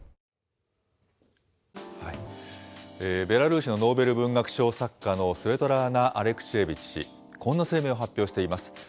ベラルーシのノーベル文学賞作家のスベトラーナ・アレクシェービッチ氏、こんな声明を発表しています。